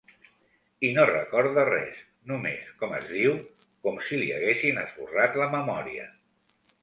I no recorda res, només com es diu, com si li haguessin esborrat la memòria.